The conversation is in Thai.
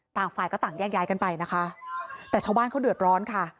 ฝ่ายก็ต่างแยกย้ายกันไปนะคะแต่ชาวบ้านเขาเดือดร้อนค่ะ